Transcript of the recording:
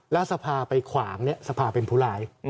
แล้วทรภาพไปขวางเนี่ยทรภาพเป็นผู้หลาย